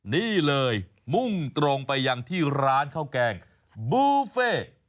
นี่เลยมุ่งตรงไปยังที่ร้านข้าวแกงบูเฟ่